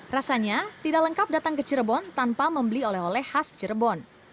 rasanya tidak lengkap datang ke cirebon tanpa membeli oleh oleh khas cirebon